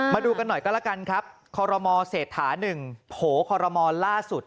มาดูกันหน่อยก็แล้วกันครับคอรมอเศรษฐา๑โผล่คอรมอลล่าสุด